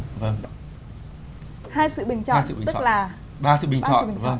hai sự bình chọn tức là ba sự bình chọn